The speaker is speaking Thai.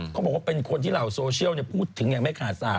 เขาบอกว่าเป็นคนที่เหล่าโซเชียลพูดถึงอย่างไม่ขาดสาย